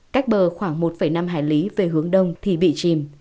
cách bờ khoảng một năm hải lý về hướng đông thì bị chìm